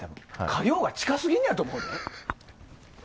火曜が近すぎるんやと思うで。